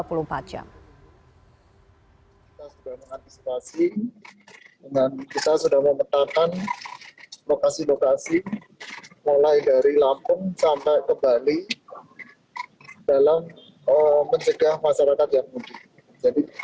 kita sudah mengantisipasi dengan kita sudah memetakan lokasi lokasi mulai dari lampung sampai ke bali dalam mencegah masyarakat yang mudik